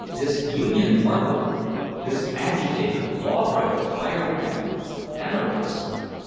This union carpenter! This agitator, law breaker, firebrand, anarchist!